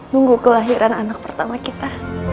nunggu kelahiran anak pertama kita